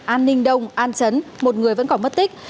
an ninh đông an chấn một người vẫn còn mất tích